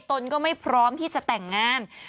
ตนก็ไม่พร้อมที่จะแต่งงาน